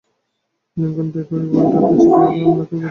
Lincoln, দেখো ওই বোল্টের প্যাচে আমি কী পেয়েছি।